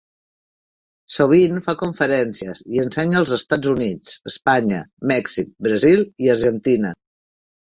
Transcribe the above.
Sovint fa conferències i ensenya als Estats Units, Espanya, Mèxic, Brasil i Argentina.